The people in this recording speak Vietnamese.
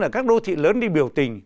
ở các đô thị lớn đi biểu tình